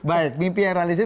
baik mimpi yang realistis